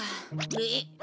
えっ？